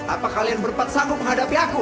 apakah kalian berempat sanggup menghadapi aku